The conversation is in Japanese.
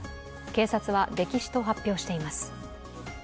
警察は溺死と発表しています。